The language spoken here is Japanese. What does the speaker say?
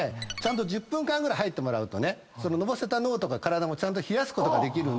１０分間ぐらい入ってもらうとのぼせた脳とか体もちゃんと冷やすことができる。